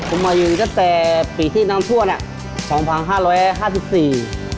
ผมมาอยู่สินทั้ยหนังทั่วสองพันห้าร้อยห้าสิบสี่